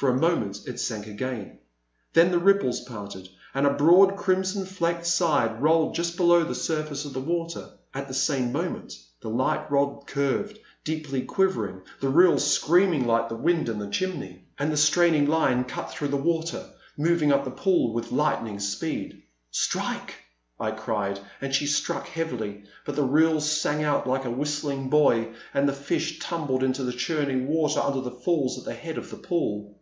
For a moment it sank again ; then the ripples parted, and a broad crimson flecked side rolled just below the surface of the water. At the same moment the light rod curved, deeply quivering, the reel screamed like the wind in the chimney, 1 20 The Silent Land. and the straining line cut through the water, moving up the pool with lightning speed. Strike! I cried, and she struck heavily, but the reel sang out like a whistling buoy, and the fish tumbled into the churning water under the falls at the head of the pool.